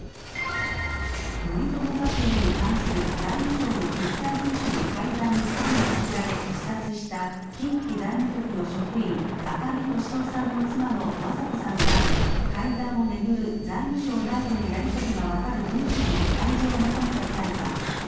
森友学園に関する財務省の決裁文書の改ざんに関与させられ、自殺した近畿財務局の職員、赤木俊夫さんの妻の雅子さんが、改ざんを巡る財務省内部のやり取りが分かる文書の開示を求めた裁判。